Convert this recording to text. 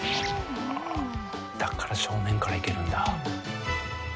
だから正面からいけるんだ。